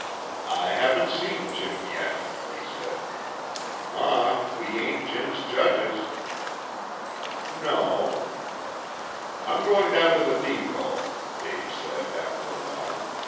"I haven't seen Jim yet," he said. "Ma, we ain't Jim's judges." "No." "I'm going down to the depot," Dave said after a while.